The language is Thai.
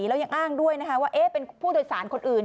แล้วยังอ้างด้วยนะคะว่าเป็นผู้โดยสารคนอื่น